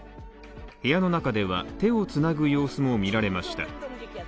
部屋の中では、手をつなぐ様子も見られました。